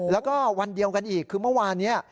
แล้วก็วันเดียวกันอีกคือเมื่อวานนี้